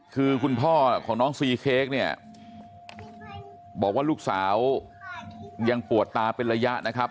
คือคุณพ่อของน้องซีเค้กเนี่ยบอกว่าลูกสาวยังปวดตาเป็นระยะนะครับ